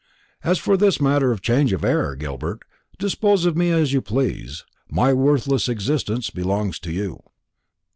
As for this matter of change of air, Gilbert, dispose of me as you please; my worthless existence belongs to you."